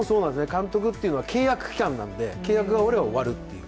監督というのは契約期間なので契約が終われば終わるっていう。